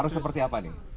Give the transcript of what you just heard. harus seperti apa nih